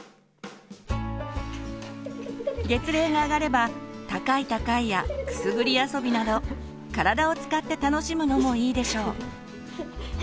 月齢が上がれば高い高いやくすぐり遊びなど体を使って楽しむのもいいでしょう。